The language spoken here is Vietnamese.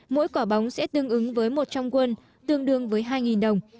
mỗi quả bóng sẽ tương ứng với một trong quân tương đương với hai đồng